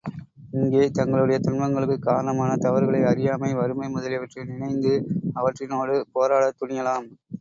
இங்கே தங்களுடைய துன்பங்களுக்குக் காரணமான தவறுகளை அறியாமை, வறுமை முதலியவற்றை நினைந்து அவற்றினோடு போராடத் துணியலாம்.